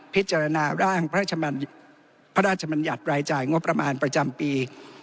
พิจารณาร่างพระราชมัญญัติรายจ่ายงบประมาณประจำปี